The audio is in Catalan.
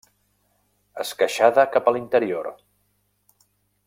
Esqueixada cap a l'interior.